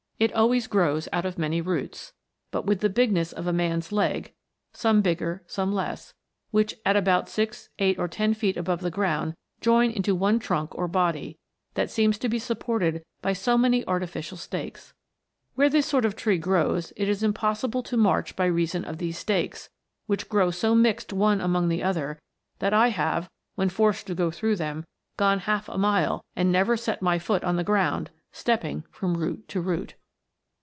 It always grows out of many roots, about the bigness of a man's leg, some bigger, some less, which at about six, eight, or ten feet above the ground, join into one trunk or body, that seems to be supported by so many artificial stakes. Where this sort of tree grows, it is impossible to march by reason of WONDERFUL PLANTS. 239 these stakes, which grow so mixed one among another, that I have, when forced to go through them, gone half a mile, and never set my foot on the ground, stepping from root to root."